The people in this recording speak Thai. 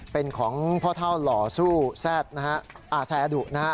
เป็นของพ่อเท่ารอสู้แซทอาแสดุนะครับ